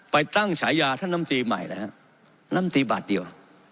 ไปตั้งฉายาท่านลำตีใหม่เลยฮะน้ำตีบาทเดียว